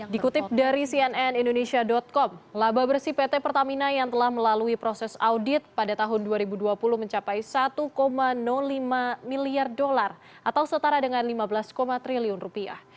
dikutip dari cnn indonesia com laba bersih pt pertamina yang telah melalui proses audit pada tahun dua ribu dua puluh mencapai satu lima miliar dolar atau setara dengan lima belas triliun rupiah